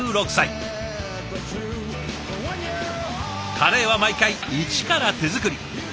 カレーは毎回一から手作り。